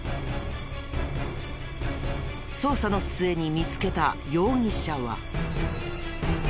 捜査の末に見つけた容疑者は。